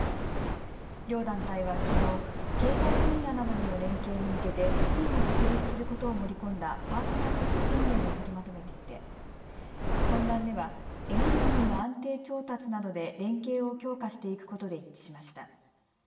両団体はきのう経済分野などでの連携に向けて基金を設立することを盛り込んだパートナーシップ宣言を取りまとめていて懇談ではエネルギーの安定調達などで連携を強化していくことで一致しました。